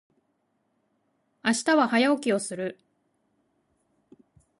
明日は早起きをする。